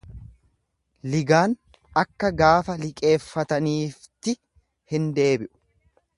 Ligaan akka gaafa liqeeffataniifti hin deebi'u.